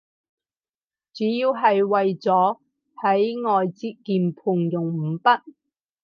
主要係為咗喺外接鍵盤用五筆